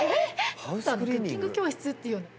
あとクッキング教室っていうのも。